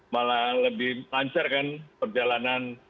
malah lebih lancar kan perjalanan